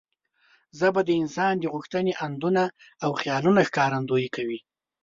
ژبه د انسان د غوښتنې، اندونه او خیالونو ښکارندويي کوي.